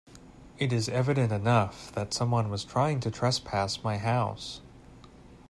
It is evident enough that someone was trying to trespass my house.